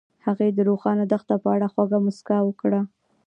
هغې د روښانه دښته په اړه خوږه موسکا هم وکړه.